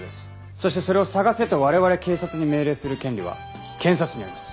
そしてそれを捜せと我々警察に命令する権利は検察にあります。